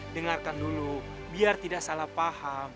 dengarkan dulu biar tidak salah paham